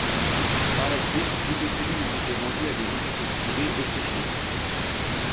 Par la suite toutes ces lignes ont été vendues à des entreprises privées autrichiennes.